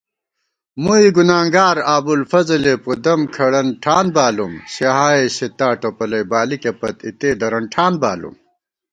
مُوئی گنانگار ابُوالفضلےپُدم کھڑَن ٹھان بالُوم * صحاحِ ستّا ٹوپَلَئی بالِکےپت اِتےدرَن ٹھان بالُوم